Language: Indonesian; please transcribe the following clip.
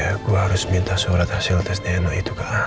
saya harus minta surat hasil tes dna itu ke anda